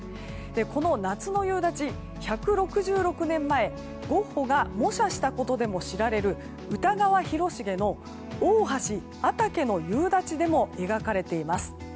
この夏の夕立、１６６年前ゴッホが模写したことでも知られる歌川広重の「大はしあたけの夕立」でも描かれています。